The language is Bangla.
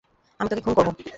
আমি তোকে খুন করব।